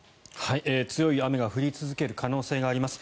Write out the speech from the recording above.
強い雨が降り続ける可能性があります。